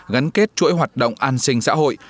gắn kết chuỗi hoạt động an sinh xã hội